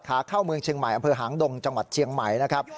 ขาเข้าเมืองเชียงใหม่อำเภอหางดงจังหวัดเชียงใหม่นะครับ